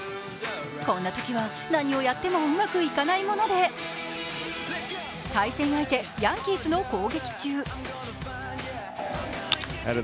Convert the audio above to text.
こんなときは何をやってもうまくいかないもので、対戦相手、ヤンキースの攻撃中